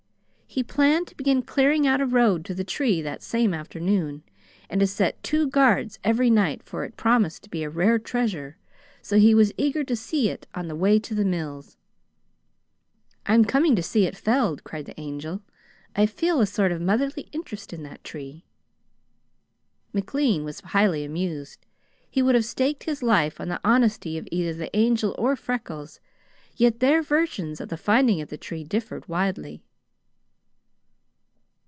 He planned to begin clearing out a road to the tree that same afternoon, and to set two guards every night, for it promised to be a rare treasure, so he was eager to see it on the way to the mills. "I am coming to see it felled," cried the Angel. "I feel a sort of motherly interest in that tree." McLean was highly amused. He would have staked his life on the honesty of either the Angel or Freckles; yet their versions of the finding of the tree differed widely.